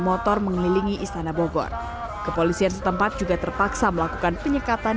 motor mengelilingi istana bogor kepolisian setempat juga terpaksa melakukan penyekatan